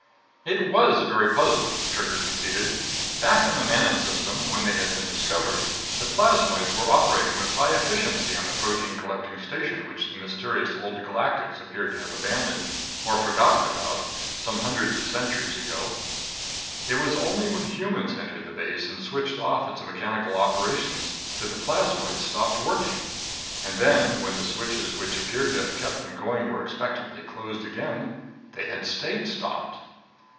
It was very puzzling, Trigger conceded. Back in the Manon System, when they had been discovered, the plasmoids were operating with high efficiency on the protein collecting station which the mysterious Old Galactics appeared to have abandoned, or forgotten about, some hundreds of centuries ago. It was only when humans entered the base and switched off its mechanical operations that the plasmoids stopped working and then, when the switches which appeared to have kept them going were expectantly closed again, they had stayed stopped.